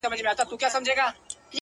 د ميني داغ ونه رسېدی ـ